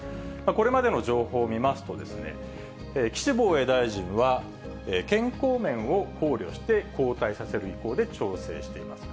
これまでの情報を見ますと、岸防衛大臣は、健康面を考慮して、交代させる意向で調整しています。